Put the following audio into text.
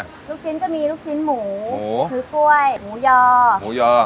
ลูกชิ้นก็มีลูกชิ้นหมูคือกล้วยหมูยอหมูยอ